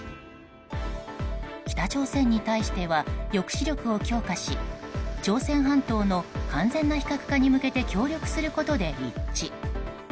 北朝鮮に対しては抑止力を強化し朝鮮半島の完全な非核化に向けて協力することで一致。